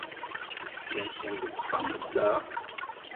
Yessefk ad neqqim deg wexxam ass-a?